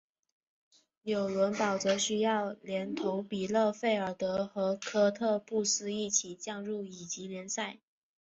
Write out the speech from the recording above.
纽伦堡则需要连同比勒费尔德和科特布斯一起降入乙级联赛。